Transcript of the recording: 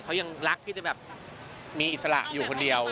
เขายังรักที่จะแบบมีอิสระอยู่คนเดียว